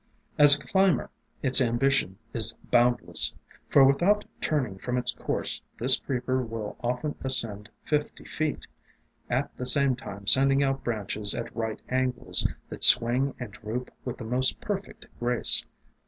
As a climber its ambition is boundless, for without turn ing from its course this Creeper will often ascend fifty feet, at the same time sending out branches at right angles, that swing and droop with the most perfect grace.